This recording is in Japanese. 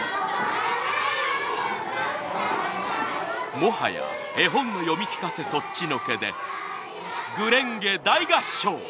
もはや絵本の読み聞かせそっちのけで『紅蓮華』大合唱！